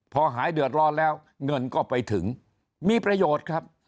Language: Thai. พอหายเดือดร้อนแล้วเงินก็ไปถึงมีประโยชน์ครับ